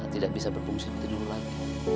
tidak bisa berfungsi seperti dulu lagi